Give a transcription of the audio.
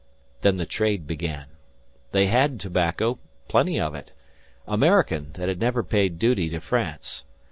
Then the trade began. They had tobacco, plenty of it American, that had never paid duty to France.